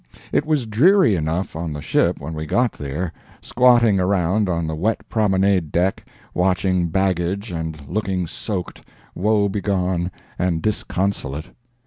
It was dreary enough on the ship when we got there, squatting around on the wet promenade deck watching baggage and looking soaked, woe begone and disconsolate.